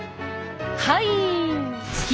はい！